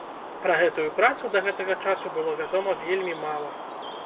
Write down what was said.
Пра гэтую працу да гэтага часу было вядома вельмі мала.